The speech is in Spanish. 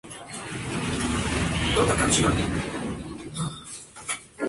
Se desposó con el consular Tiberio Sempronio Graco tras la muerte de su padre.